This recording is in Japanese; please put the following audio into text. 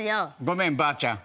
ごめんばあちゃん。